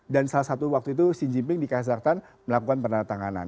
dan salah satu waktu itu xi jinping dikasih dana melakukan peneratanganan